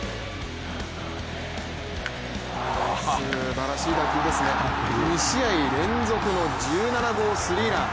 すばらしい打球ですね、２試合連続の１７号スリーラン。